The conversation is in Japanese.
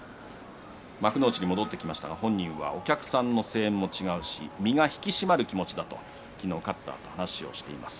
幕内に戻ってきましたが本人はお客さんの声援も違うし身が引き締まる気持ちだと昨日勝ったあと話しています。